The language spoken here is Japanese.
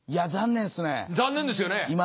残念ですよね。